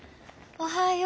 おはよう。